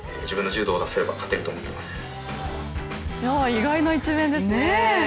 意外な一面ですね。